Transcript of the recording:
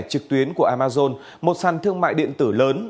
trực tuyến của amazon một sàn thương mại điện tử lớn